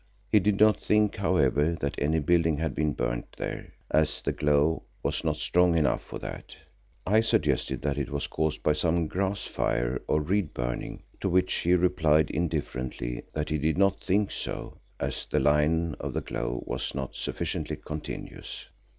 He did not think, however, that any building had been burned there, as the glow was not strong enough for that. I suggested that it was caused by some grass fire or reed burning, to which he replied indifferently that he did not think so as the line of the glow was not sufficiently continuous.